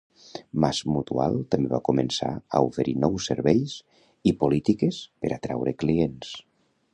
MassMutual també va començar a oferir nous serveis i polítiques per atraure clients.